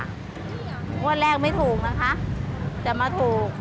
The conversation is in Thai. งวดแรกไม่ถูกนะคะแต่มาถูก